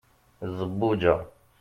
zebbuǧa